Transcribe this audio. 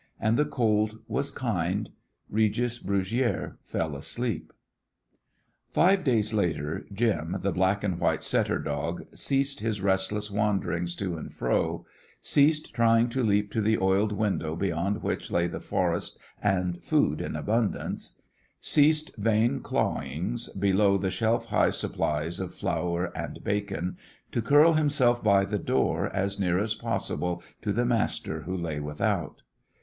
And the cold was kind. Regis Brugiere fell asleep. Five days later Jim, the black and white setter dog, ceased his restless wanderings to and fro, ceased trying to leap to the oiled window beyond which lay the forest and food in abundance, ceased vain clawings below the shelf high supplies of flour and bacon, to curl himself by the door as near as possible to the master who lay without.